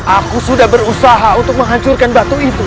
aku sudah berusaha untuk menghancurkan batu itu